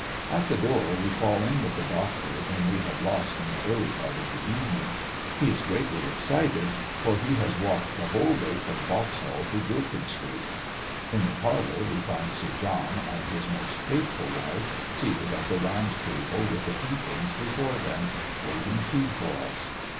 At the door we fall in with the Doctor, whom we had lost in the early part of the evening. He is greatly excited, for he has walked the whole way from Vauxhall to Guildford street. In the parlour we find Sir John and his most faithful wife seated at the round table, with the tea things before them, waiting tea for us.